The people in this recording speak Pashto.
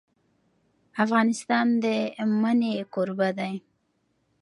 افغانستان د منی کوربه دی.